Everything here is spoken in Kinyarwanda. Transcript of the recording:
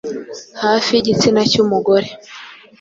Hafi y’igitsina cy 'umugore